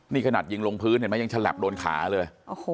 นี่ขนาดยิงลงพื้นเห็นไหมยังฉลับโดนขาเลย